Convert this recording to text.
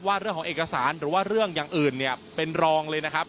เรื่องของเอกสารหรือว่าเรื่องอย่างอื่นเนี่ยเป็นรองเลยนะครับ